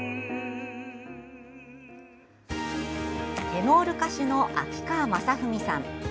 テノール歌手の秋川雅史さん。